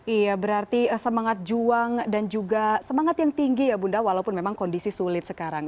iya berarti semangat juang dan juga semangat yang tinggi ya bunda walaupun memang kondisi sulit sekarang